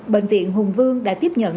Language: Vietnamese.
bệnh viện hùng vương đã tiếp nhận